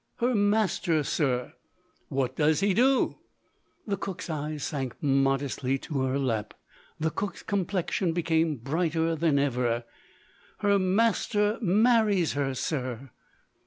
"Her master, sir." "What does he do?" The cook's eyes sank modestly to her lap. The cook's complexion became brighter than ever. "Her master marries her, sir."